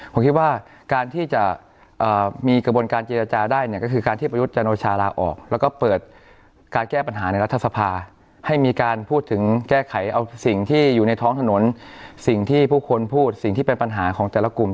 ผมคิดว่าการที่จะมีกระบวนการเจรจาได้เนี่ยก็คือการที่ประยุทธ์จันโลชาลาออก